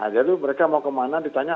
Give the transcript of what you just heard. jadi mereka mau kemana ditanya